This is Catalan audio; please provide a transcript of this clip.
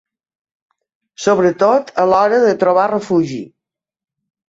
Sobretot a l'hora de trobar refugi.